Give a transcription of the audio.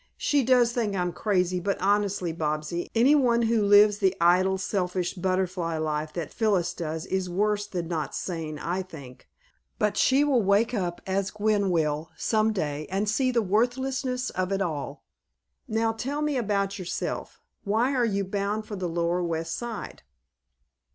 She does think I'm crazy, but honestly, Bobsy, anyone who lives the idle, selfish butterfly life that Phyllis does is worse than not sane, I think: but she will wake up as Gwen will, some day, and see the worthlessness of it all. Now tell me about yourself. Why are you bound for the lower West Side?"